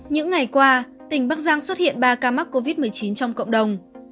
những ngày qua tỉnh bắc giang xuất hiện ba ca mắc covid một mươi chín trong cộng đồng